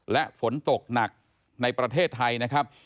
และฝนตกหนักในประเทศไทยนะครับ